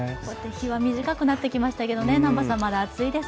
日は短くなってきましたけど、まだ暑いです。